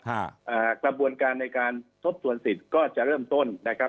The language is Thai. อ่าอ่ากระบวนการในการทบทวนสิทธิ์ก็จะเริ่มต้นนะครับ